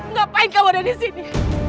ngapain kamu ada di sini